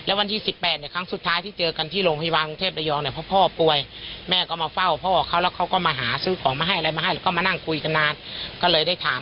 เอาฟังเสียงแม่บุญธรรมหน่อยนะคะ